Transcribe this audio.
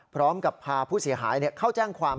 พาผู้เสียหายเข้าแจ้งความ